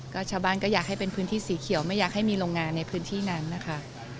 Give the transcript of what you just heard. ก็ชาวบ้านก็อยากให้เป็นพื้นที่สีเขียวไม่อยากให้มีโรงงานในพื้นที่นั้นนะคะ